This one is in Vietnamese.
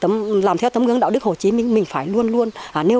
là học tập làm theo tấm gương đạo đức hồ chí minh mình phải luôn luôn nêu cao nâng cao